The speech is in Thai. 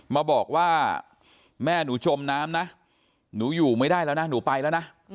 มาบอกว่าแม่หนูจมน้ำนะหนูอยู่ไม่ได้แล้วนะหนูไปแล้วนะ